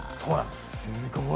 すごい。